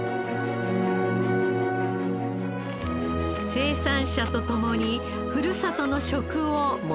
生産者と共にふるさとの食を盛り上げたい。